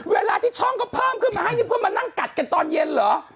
เวลาที่ช่องก็เพิ่มขึ้นมาให้นี่เพื่อมานั่งกัดกันตอนเย็นเหรอ